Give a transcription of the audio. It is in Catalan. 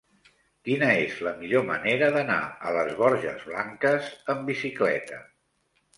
Quina és la millor manera d'anar a les Borges Blanques amb bicicleta?